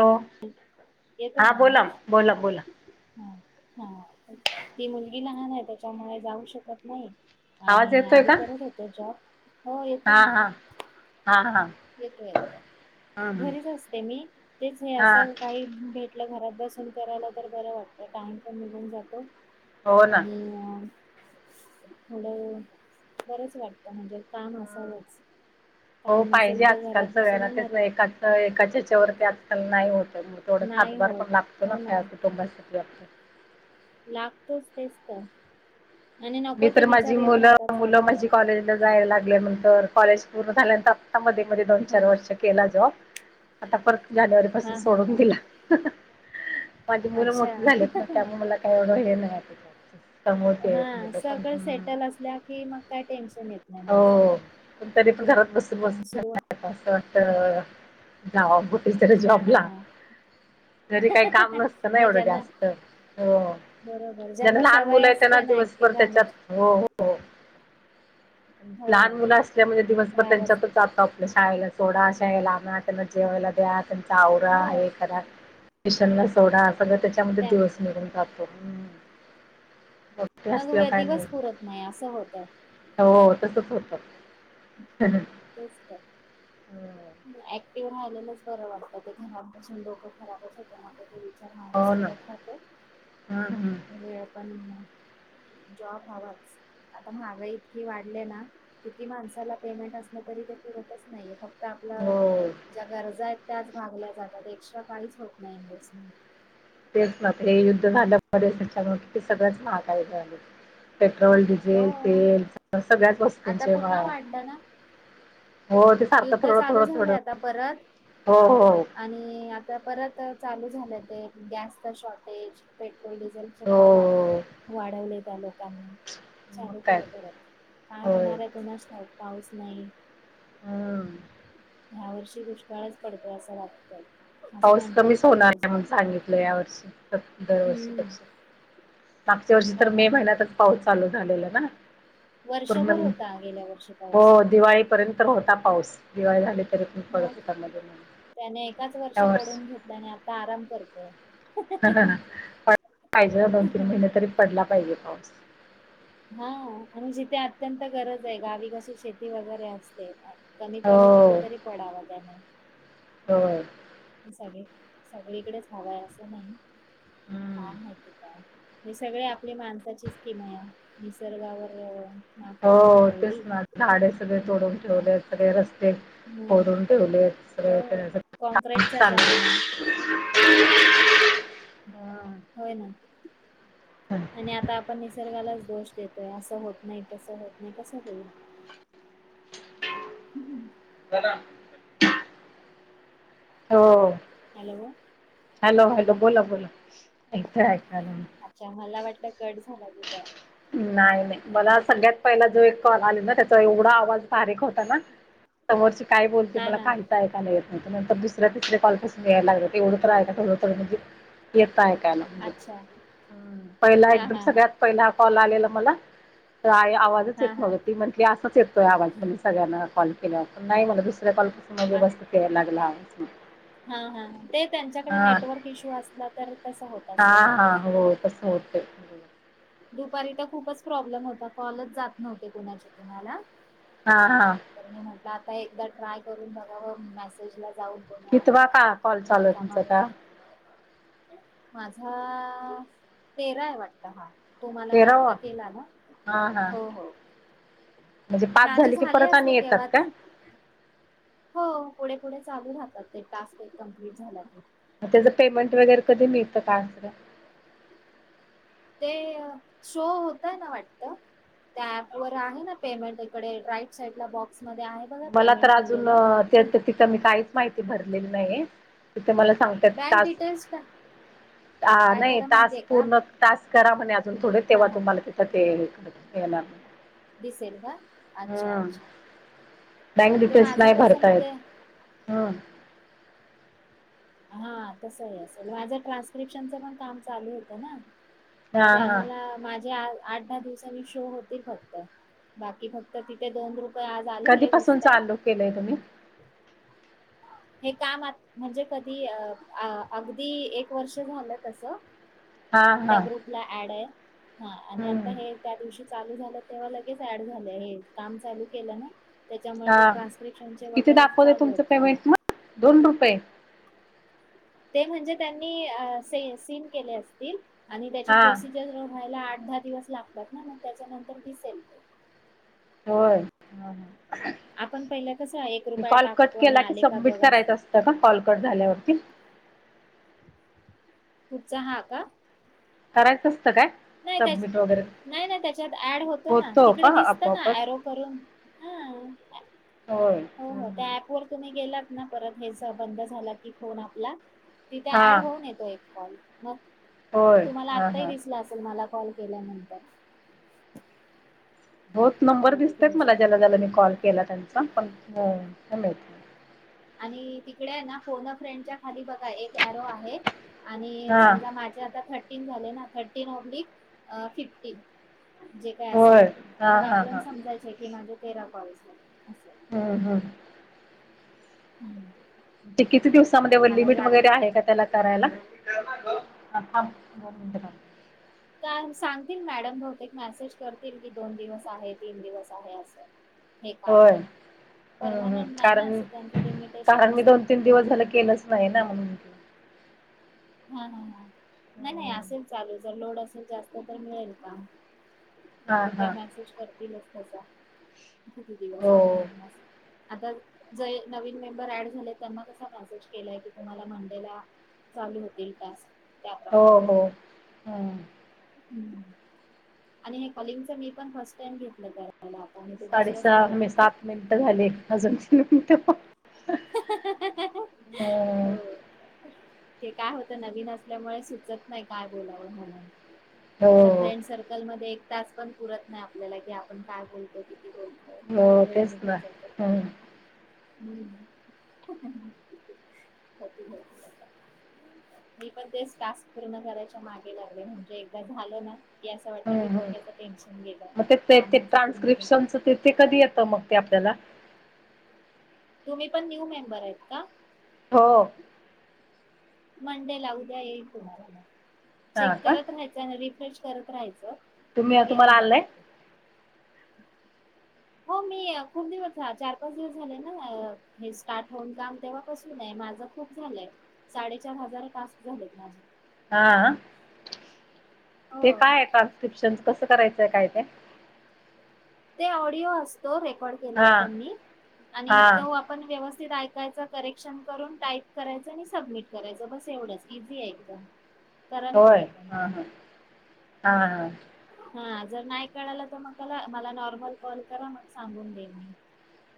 हो, येतोय हा ना बोला आवाज बोला बोला. हा हा, ती मुलगी लहान आहे, त्याच्यामुळे जाऊ शकत नाही. आवाज आणि येतोय आधी का करत होते जॉब, हो येतो हा ना. हा हा हा येतो येतो, ह घरीच हा असते मी तेच हे असं काही भेटलं घरात बसून करायला तर बर वाटत टाइम पण निघून जातो, हो ना आणि मुलं बरंच वाटत म्हणजे. काम असावंच हो, काम पाहिजे नसेल तर घरात आजकालच बसून सगळ्यांना तेच येणार एकाच एकाचिच तेवढं त्यात पण नाही होत, मग तेवढं नाही हातबार होत पण लागतो ना, हो हया कुटुंबासाठी आपल्या लागतोच तेच तर आणि मी नको ते तर माझी विचार येत मुलं, राहतात मुलं चालू माझी राहतात कॉलेजला जायला लाग ल्यानंतर कॉलेज पूर्ण झाल्यानंतर आता मध्ये, मध्ये दोन हा चार वर्ष केला जॉब, आता परत. जानेवारी पासून हा हा सोडून हा दिला. माझी मुलं अच्छा मोठी झालेत ना, मग त्यामुळे मला काही एवढं हे नाही, कमवती आहेत. मुलं पण सगळ सेटल असल्या कि, मग काय टेनशन येत नाही हो माणसाला. पण तरी पण घरात बसून असं आणि सुरुवात वाटत, जावा बहुतेक हा हा जॉबला, हा [unintelligible] घरी काही काम नसतं ना नाही एवढं ज्यांना जास्त, हो. बरोबर, ज्यांना सवय असतेना पर त्याच्यात, हो हो हो. हो लहान मुलं असल्या म्हणजे दिवसभर राहावंच त्यांच्यातच लागेल जातो आपला, शाळेला सोडा, शाळेला आणा त्यांना. जेवायला द्या, त्यांचा आवरा, हो हे करा, ट्युशनला सोडा. सगळ त्याच्यामध्ये त्या दिवस निघून जातो, मोठे मग व असल्यावर काय दिवस नाही पुरत नाही असं होत, हो तसच होतं. तेच तर, ते राहिलेलच बरं वाटतं, ते घरात बसून डोक खराब होत माझं- [unintelligible] माणूस हो ना करत राहतो, हम्म हम्म [unintelligible] वेळ पण जॉब हवाच, आता महागा इतकी वाढले ना, किती माणसाला पेमेंट अस तरी ते पुरतच नाहीये फक्त आपल्या हो ज्या गरजा आहेत, त्याच भागल्या जातात एक्स्ट्रा काहीच होत नाही इन्व्हेस्टमेंट. तेच ना ते [unintelligible] युद्ध झालं मदशच्या सगळंच महाकायदाे झाले. पेट्रोल डिझेल हो तेल सगळ्याच आता वस्तूंचे पुन्हा वाळ. वाढलं ना युद्ध चालू झालंय आता परत हो हो आणि आता परत, चालू झाले गॅस शॉर्टेज पेट्रोल डिझेल चे भाव हो वाढवले. लोकांनी मग चालू काय केलं परत काय होय होणार आहे कोणास ठाऊक पाऊस नाही. हम्म ह्या वर्षी दुष्काळच पडतोय असं वाटतय. पाऊस कमीच होणार आहे म्हणून सांगितलं या वर्षी हम्म दरवर्ष मागच्या वर्षी तर हो ना मे महिन्यातच पाऊस चालू झालेला ना. वर्षभर पूर्णमी होता गेल्या वर्षी पाऊस हो दिवाळीपर्यंत तर होता पाऊस दिवाळी झाली, तील मग पळत करणार ज त्याने एकाच वर्षी पडून घेतलं आणि आता आराम करतोय. ह प पाहिजे दोन तीन हा महिने तरी पडला पाहिजे पाऊस हा आणि जिथे अत्यंत गरज आहे गावी कशी शेती वगैरे असते. कमीत कमी तिथे तरी पडावा त्याने. हो. सगळी सगळीकडेच हवा आहे असं नाही हम्म काय माती काय हे सगळे आपली माणसाची किमया आहे निसर्गावर मात करून हो तेच ठेवली ना झाडे सगळे तोडून ठेवले सगळे रस्ते. मग तोडून ठेवलेत हो कॉँक्रीटचा जमाना होय ना हम्म. आणि आता आपण निसर्गाला, दोष देतोय असं होत नाही तसं होत नाही कसं होईल, हम्म... बोला हो.. हॅलो, हॅलो, हॅलो, बोला, बोला येतंय ऐकायला ग का आहे नाही नाही मला सगळ्यात पहिला जो एक कॉल आले ना त्याचा एवढा आवाज बारीक होता ना, समोरची काय बोलते हा मला हा काहीच ऐकायला नाही येत नंतर दुसऱ्या तिसऱ्या कॉलपसून यायला लागत तेवढं तर आहे का थोडं थडंण काज अच्छा पहिला हा एकदम हा हा सगळ्यात पहिला कॉल आलेला मला, आवाजच हा येत हा नव्हता ती म्हटली असाच येतोय आवाज म्हण सगळ्यांना कॉल केलावर पण नाही म्हला दुसर अल्पसमय व्यवस्थ यायला लागला ह हा हा ते त्यांच्याकडे नेटवर्क इश्यू असला तर तस होत असेल. ते दुपारी तर खूपच प्रॉब्लेम होता कॉलच जात नव्हते कुणाचे, कुणाला हा, हा तर मी म्हटलं आता एकदा ट्राय करून बघा मेज ला. जाऊ कोणी आहे कितवा का कॉल चालू आहे रिकामा तुमचा आता? आहे का हा तेरा आहे वाटत हा तुम्हाला मी आता तेरावा? केला ना हा हा हो, हो. म्हणजे पाच माझे झाले की परत असते आणि येतात केव्हाच का? हो पुढे पुठे चालू राहतात ते टास्क कम्प्लीट झाला की त्याच पेमेंट वगैरे कधी मिळत काय वगैरे? ते शो होतय ना वाटत. त्या ऍप वर आहे ना पेमेंट इकडे राईट साईड ला बॉक्स मला तर अजून त्या तिथं मी काहीच माहिती भरलेली नाही तिथे मला सांगतात बँक तास डिटेल्स टा काय नाही करा तास माहितीय का पूर्ण तास करा म्हणे अजून थोडे हा तेव्हा हा तुम्हाला तिथं ते येणार डिसेंबर अच्छा हम्म अच्छा बँक ते डिटेल्स माझं नाही कसं मी भरतायेत ते हम हा तसही असेल माझं ट्रान्सक्रिप्शनच पण काम चालू होतं ना हा मग ते हा आम्हाला माझ्या आठ दहा दिवसांनी शो होतील फक्त बाकी फक्त तिथे दोन रुप कधीपासून चालू केलंय तुम्ही हे काम म्हणजे कधी अ अगदी एक वर्ष झालं तस हा त्या हा ग्रुप ला ऍड आहे हा आणि आता हम्म हे त्या दिवशी चालू झालं तेव्हा लगेच ऍड झाले हे काम चालू केलं ना त्याच्यामुळे हा ते ट्रान्स्क्रिप्शनचे किती वगैरे दाखवते चालू आहेत तुमचं काम. पेमेंट मग दोन रुपये ते म्हणजे त्यांनी सीम केले अस आणि त्याची हा प्रोसिजर व्हायला आठ अधा दिवस लागतात ना मग त्याच्यानंतर दिसेल ते होय ह ह आपण पहिला कसं एक म रुपया कॉल कट टाकतो आणि केला की आले का सबमिट बघ असं करायचं असतं का कॉल कट झाल्यावरती पुढचा हा का करायचंस नाही त्या तब्यत वगैरे नाही नाही त्याच्यात ऍड होतो ना का तिकडे दिसत ना आपोआपच अरो करून ह होय हो हो त्या ऍप व तुम्ही गेला त हे बंद झाला की फोन आपला तिथे हा ऍड होऊन येतो एक कॉल मग होय हा आत्ताही हा दिसला असेल तुम्हाला कॉल केल्यानंतर होत किती नंबर झालेले दिसतेयत तुमचे मला आणि ज्याला ज्याला किती मी कॉल केला त्यांचा पण हॅलो आणि तिकडे ना फोन अ फ्रेंडच्या खाली बघ एक अरो आहे आणि हा समजा माझ्या आता थरटिनं झाले ना थर्टीन ओब्लिक फिफ्टिन जे काय असेल होय ते हा मग हा आपल्या हा समजायचे की माझे तेरा कॉलस हम्म हम्म हम्म ते किती दिवसामध्ये व लिमिट वगैरे आहे का त्याला करायला [inaudible] दोन मिनिटं थांब सांगतील मॅडम बहुतेक मेसेज करतील की दोन दिवस आहे तीन दिवस आहे असं हे काम हम्मम् परमनंट नाही ना कारण असं त्यांचं लिमिटेशन कारण मी असतं दोन तीन दिवस झालं केलंच नाही ना म्हणून [unintelligible] [inaudible] हा हा ह नाही नाही हम्म. असेल चालू जर लोड असेल जास्त तर मिळेल काम नाही हां तर त्या हां मेसेज करतीलच तसं किती दिवस हो आहे म्हणून आता ज नवीन मेंबर ऍड झाले त्यांना कसा मेसेज केलाय की तुम्हाला मंडेला चालू होतील टास्क हो त्याप्रमाणे हो हम आणि हे कॉलिंगच मी पण फर्स्ट टाइम घेतलं तर साडेसहा सात मिनिटं झाले अजून त मिनट हो हम ते काय होत नवीन असल्यामुळे सुचत नाही काय बोलावं म्हणून नाही तर हो फ्रेंड सर्कल मध्ये एक तास पण पुरत नाही आपल्याला कि आपण काय बोलतो किती बोलतो हो तेच ना हम् हम् [inaudible] मी पण तेच टास्क पूर्ण करायच्या मागे लागले म्हणजे एकदा झाल ना की असं वाटतं हम्म की हम डोक्याचं टेन्शन गेलं मग ते ते कामाचं पूर्ण झालं ट्रान्स्क्रिप्शनच तेथ कधी येतं मग ते आपल्या [inaudible] तुम्ही पण न्यू मेंबर आहेत का हो मंडे ला उद्या येईल तुम्हाला हां चेक का करत राहायचं आणि रिफ्रेश करत राहायचं तुम्ही मग तुम्हाला येऊन आलंय जातात हो मी खूप दिवस चार पाच दिवस झाले ना हे स्टार्ट होऊन जाम तेव्हापासून आहे माझ खूप झाय साडेचार हजार टस्क झालेत माझे हा ते हो काय आहे ट्रान्स्क्रिप्शन कसं करायचंय काय ते ते ऑडिओ असतो रेकॉर्ड केलेला हां त्यांनी आणि हां तो आपण व्यवस्थित ऐकायच करेक्शन करून टाईप करायचं आणि सबमिट करायचं बस एवढंच इझी आहे एकदम कराल होय तुम्ही पण हा हा हा हा हा जर नाही कळाला तर मग मला नॉर्मल कॉल करा मग सांगून दे म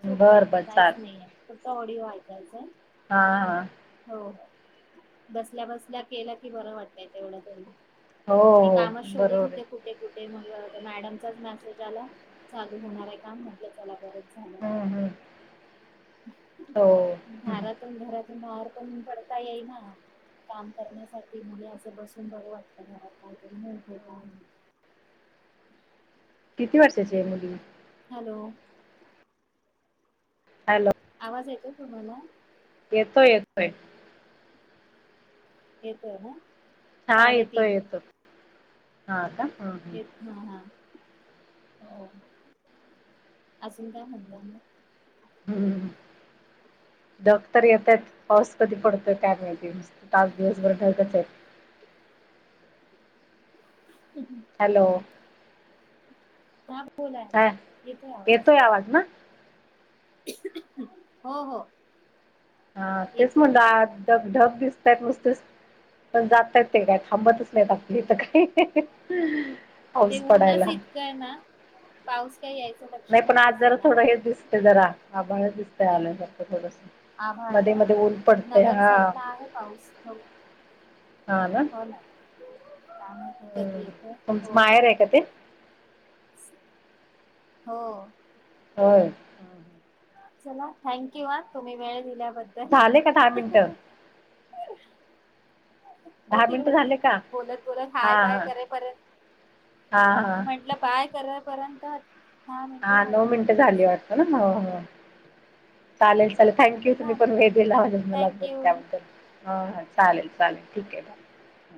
सोप बर येत बर काहीच चाल नाहीये फक्त ऑडिओ ऐकायचं हा हा बसल्या बसल्या केल्या कि बरं वाटतय तेवढं तरी हो मी हो कामच शोधत बरोबर आहे होते कुठे कुठे म मॅडमचाच मेसेज आला चालू होणार आहे काम म्हटल त्याला ब हम्म हम्म हो ह् मार पण पडता येई ना काम करण्यासाठी मुली असं बसून बर वाटत घरात काहीतरी मिळतय काम किती वर्षाची आहे मुली हॅलो हॅलो आवाज येतय तुम्हाला येतोय येतोय येतोय ना हा येतो साडेतीन येतो हा का हम्म हम्म. एक हा हा हो अजून काय म्हत हम्म ह ढग तर येत आहेत पाऊस कधी पडतोय काय नाही दि तास दिवसभर ढगच आहेत [inaudible] हॅलो हा बोला हा येतो या आवाज ना हो हो हा तेच येतोय ना म्हणलं ढग ढग दिसतय नुसतस पण जातयेत ते काय थांबतच नाहीत आपली तर काही ते पाऊस ऊनच पडायला इतकंय ना पाऊस काही यायच नाही पण आज जरा थोडं हे दिसत जरा आभळ दिसत आल्यास थोडस आभाळा मध्ये ना मध्ये ऊन पडतय नगर हा साइड ला आहे पाऊस हो हा का सांग कधी आहे हो हो आहे का ते हो हो चला थँक्यू हा तुम्ही वेळ दिल्या झाले का दहा मिनटं दहा होतील मिनिटं झाले होतील का बोलत बोलत हाय हा बाय हा करे हा परत हा म्हंटलं बाय करे पर्यंत होतील हा नऊ मिनटं झाली वाटत ना हो चालेल ले थँक्यू तुम्ही पण झालं वे दिला थँक्यू त्याबद्दल हो हा चालेल चालेल ठीक आहे बा